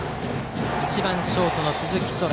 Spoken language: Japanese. １番ショートの鈴木昊。